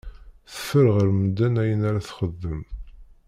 Teffer ɣef medden ayen ara texdem.